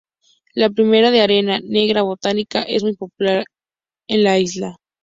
La primera, de arena negra volcánica, es muy popular en la isla.